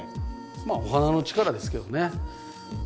まあお花の力ですけどねすべて。